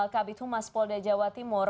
kabit humas polda jawa timur